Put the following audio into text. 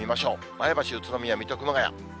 前橋、宇都宮、水戸、熊谷。